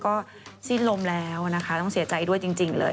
ก็สิ้นลมแล้วนะคะต้องเสียใจด้วยจริงเลย